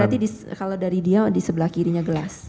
berarti kalau dari dia disebelah kirinya gelas